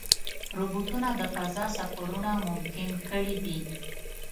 روبوټونه د فضا سفرونه ممکن کړي دي.